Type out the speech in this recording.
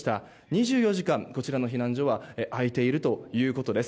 ２４時間、こちらの避難所は開いているということです。